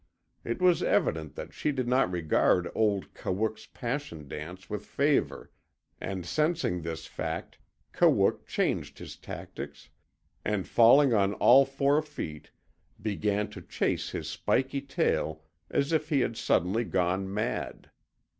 It was evident that she did not regard old Kawook's passion dance with favour and sensing this fact Kawook changed his tactics and falling on all four feet began to chase his spiky tail as if he had suddenly gone mad.